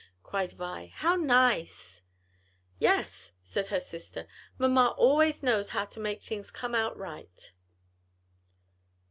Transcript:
cried Vi, "how nice!" "Yes," said her sister, "mamma always knows how to make things come out right."